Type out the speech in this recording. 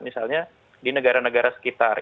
misalnya di negara negara sekitar